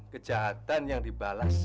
kejahatan yang dibalas